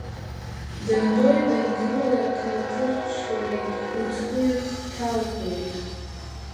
Дантәои дангылои акалҭырҽеира мыцхәы ихҭалкуеит…